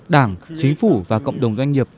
đảng chính phủ và cộng đồng doanh nghiệp